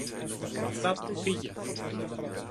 Αφράτο, φύγε!